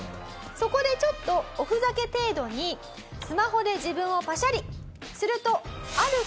そこでちょっとおふざけ程度にスマホで自分をパシャリ。